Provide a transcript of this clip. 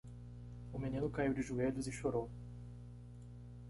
O menino caiu de joelhos e chorou.